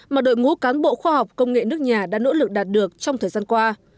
mà đội ngũ cán bộ khoa học công nghệ nước nhà đã nỗ lực đạt được trong thời gian qua